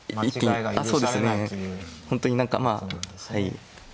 本当に何かまあはい。